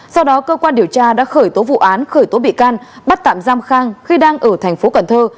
sau đó cơ quan điều tra đã khởi tố vụ án khởi tố bị can bắt tạm giam khang khi đang ở thành phố cần thơ